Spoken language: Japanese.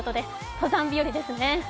登山日和ですね。